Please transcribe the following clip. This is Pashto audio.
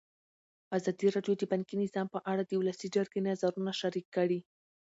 ازادي راډیو د بانکي نظام په اړه د ولسي جرګې نظرونه شریک کړي.